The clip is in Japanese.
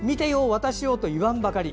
私をと言わんばかり。